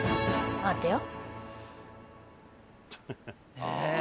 待てよ。